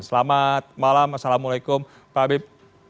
selamat malam assalamualaikum pak habib